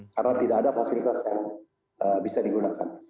karena tidak ada fasilitas yang bisa digunakan